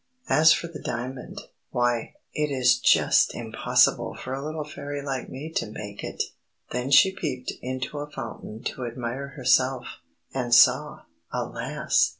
As for the diamond, why, it is just impossible for a little Fairy like me to make it!" Then she peeped into a fountain to admire herself, and saw, alas!